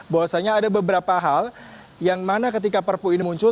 bahwasanya ada beberapa hal yang mana ketika perpu ini muncul